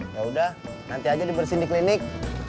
ya udah nanti aja dibersihin di klinik